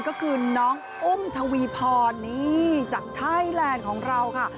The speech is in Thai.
ก็คือน้องอุ้มทวีพรนี่จากไทยแลนด์ของเราค่ะ